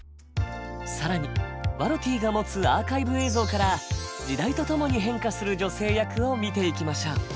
更にワロティが持つアーカイブ映像から時代とともに変化する女性役を見ていきましょう。